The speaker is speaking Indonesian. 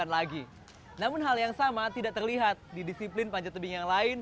namun hal yang sama tidak terlihat di disiplin panjat tebing yang lain